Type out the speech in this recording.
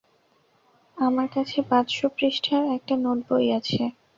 আমার কাছে পাঁচ শ পৃষ্ঠার একটা নোট বই আছে।